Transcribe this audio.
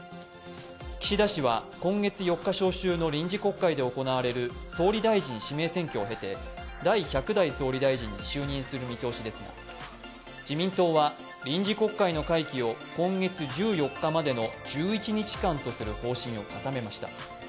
岸田氏は今月４日召集の臨時国会で行われる総理大臣指名選挙を経て第１００代総理大臣を襲名する見通しですが自民党は臨時国会の会期を今月１４日までの１１日間とする方針を固めました。